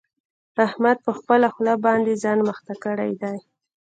احمد په خپله خوله باندې ځان مخته کړی دی.